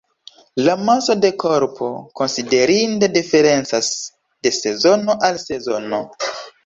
La maso de korpo konsiderinde diferencas de sezono al sezono.